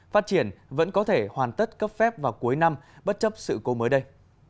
phát triển vẫn có thể hoàn tất cấp phép vào cuối năm bất chấp sự cố mới đây